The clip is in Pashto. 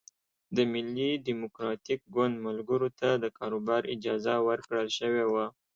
د ملي ډیموکراتیک ګوند ملګرو ته د کاروبار اجازه ورکړل شوې وه.